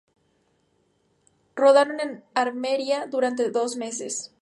Rodaron en Almería durante dos meses.